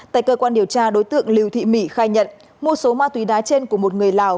tại cơ quan điều tra đối tượng lưu thị mỹ khai nhận mua số ma túy đá trên của một người lào